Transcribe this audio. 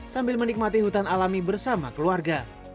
sambil menikmati hutan alami bersama keluarga